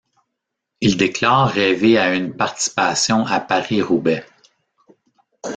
Il déclare rêver à une participation à Paris-Roubaix.